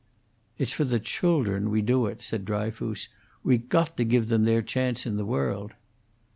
"It's for the children we do it," said Dryfoos. "We got to give them their chance in the world."